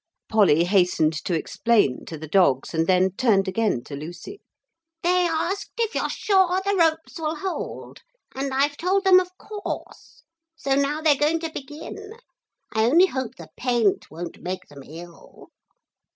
Polly hastened to explain to the dogs, and then turned again to Lucy. 'They asked if you're sure the ropes will hold, and I've told them of course. So now they're going to begin. I only hope the paint won't make them ill.'